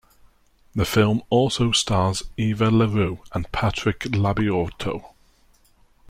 The film also stars Eva LaRue and Patrick Labyorteaux.